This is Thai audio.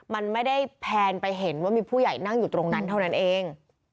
มันไม่ได้แพนไปเห็นว่ามีผู้ใหญ่นั่งอยู่ตรงนั้นเท่านั้นเอง